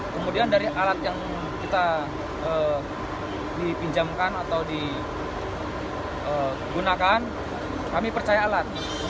kemudian dari alat yang kita dipinjamkan atau digunakan kami percaya alat